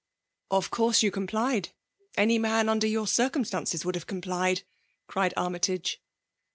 *' ''Of course you complied? any man under your circumstances would have complied/* cried Annytage.